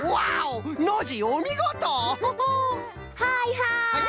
はいはい！